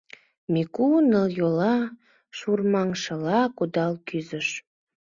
Мику нылйола шурмаҥшыла кудал кӱзыш.